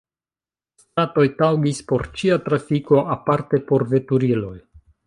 Stratoj taŭgis por ĉia trafiko, aparte por veturiloj.